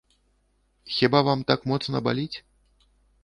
Хіба вам так моцна баліць?